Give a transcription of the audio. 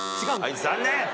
はい残念。